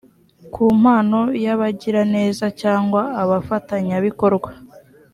ku mpano y abagiraneza cyangwa abafatanyabikorwa